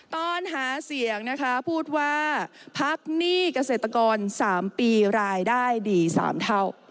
ตอนหาเสียงนะคะพูดว่าพักหนี้เกษตรกร๓ปีรายได้ดี๓เท่า